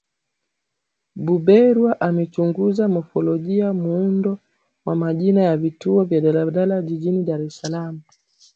Buberwa amechunguza mofolojia muundo wa majina ya vituo vya daladala jijini Dar es Salaam